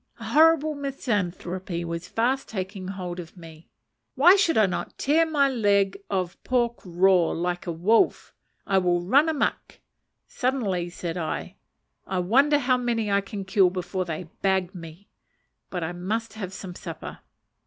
(A horrible misanthropy was fast taking hold of me.) Why should I not tear my leg of pork raw, like a wolf? "I will run a muck!" suddenly said I. "I wonder how many I can kill before they 'bag' me? But I must have some supper."